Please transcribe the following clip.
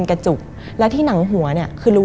มันกลายเป็นรูปของคนที่กำลังขโมยคิ้วแล้วก็ร้องไห้อยู่